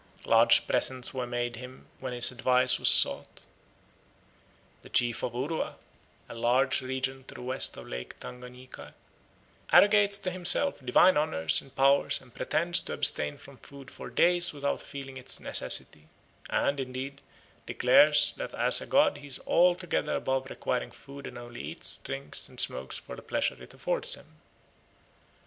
Large presents were made him when his advice was sought. The chief of Urua, a large region to the west of Lake Tanganyika, "arrogates to himself divine honours and power and pretends to abstain from food for days without feeling its necessity; and, indeed, declares that as a god he is altogether above requiring food and only eats, drinks, and smokes for the pleasure it affords him."